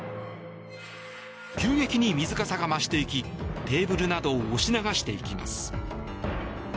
急激に水かさが増していきテーブルなどを押し流していきます。